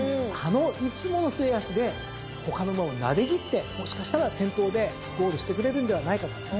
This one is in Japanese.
あのいつもの末脚で他の馬をなで切ってもしかしたら先頭でゴールしてくれるんではないかと。